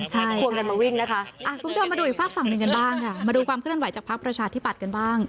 ใช่ควงกันมาวิ่งนะคะคุณผู้ชมมาดูอีกฝากฝั่งหนึ่งกันบ้างค่ะมาดูความเคลื่อนไหวจากภักดิ์ประชาธิปัตย์กันบ้าง